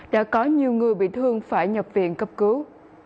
đã có nhiều người bị thương phải nhập viện cấp cứu